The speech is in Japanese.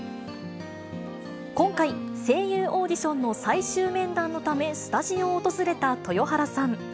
今回、声優オーディションの最終面談のため、スタジオを訪れた豊原さん。